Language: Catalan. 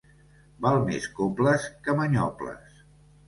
Val més cobles que manyoples.